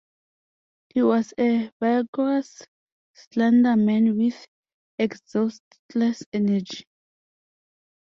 He was a vigorous, slender man, with exhaustless energy.